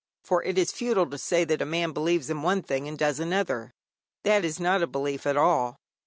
For it is futile to say that a man believes in one thing and does another. That is not a belief at all.